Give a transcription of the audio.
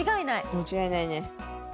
間違いないね。